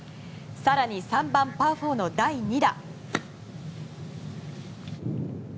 更に３番、パー４の第２打。